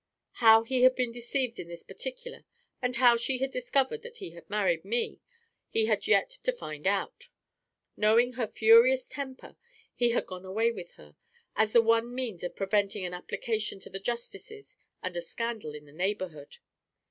How he had been deceived in this particular, and how she had discovered that he had married me, he had yet to find out. Knowing her furious temper, he had gone away with her, as the one means of preventing an application to the justices and a scandal in the neighborhood.